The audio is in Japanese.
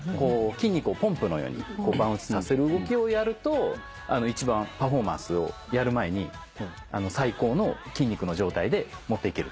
筋肉をポンプのようにバウンスさせる動きをやると一番パフォーマンスをやる前に最高の筋肉の状態で持っていける。